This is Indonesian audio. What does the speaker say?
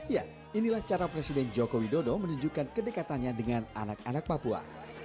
ya inilah cara presiden joko widodo menunjukkan kedekatannya dengan anak anak papua